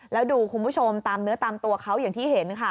แล้วดูคุณผู้ชมตามเนื้อตามตัวเขาอย่างที่เห็นค่ะ